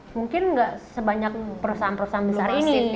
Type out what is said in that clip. mungkin nggak sebanyak perusahaan perusahaan besar ini